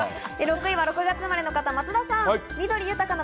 ６位は６月生まれの方、松田さん。